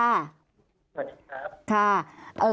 สวัสดีครับ